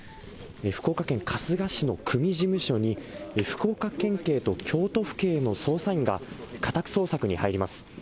福岡県春日市の組事務所に、福岡県警と京都府警の捜査員が家宅捜索に入ります。